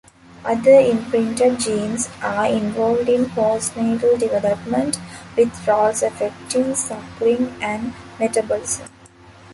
Other imprinted genes are involved in post-natal development, with roles affecting suckling and metabolism.